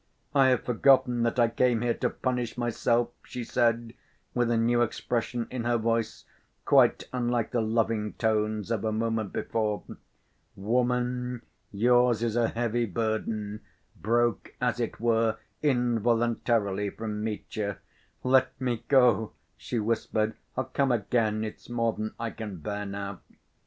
I have forgotten that I came here to punish myself," she said, with a new expression in her voice, quite unlike the loving tones of a moment before. "Woman, yours is a heavy burden," broke, as it were, involuntarily from Mitya. "Let me go," she whispered. "I'll come again. It's more than I can bear now."